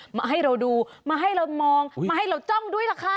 มาให้เราดูมาให้เรามองมาให้เราจ้องด้วยล่ะค่ะ